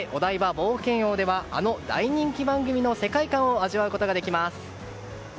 冒険王ではあの大人気番組の世界観を味わうことができます。